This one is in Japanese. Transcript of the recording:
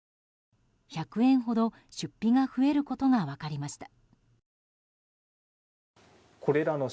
１００円ほど出費が増えることが分かりました。